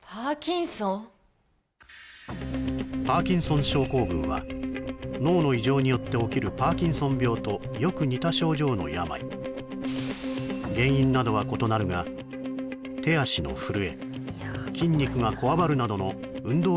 パーキンソン症候群は脳の異常によって起きるパーキンソン病とよく似た症状の病原因などは異なるが手足の震え筋肉がこわばるなどの運動